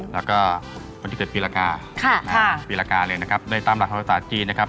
แล้วก็คนที่เกิดปีละกาปีละกาเลยนะครับได้ตามหลักภาษาจีนนะครับ